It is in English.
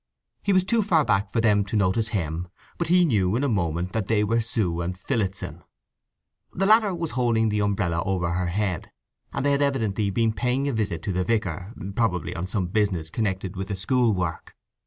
He was too far back for them to notice him, but he knew in a moment that they were Sue and Phillotson. The latter was holding the umbrella over her head, and they had evidently been paying a visit to the vicar—probably on some business connected with the school work.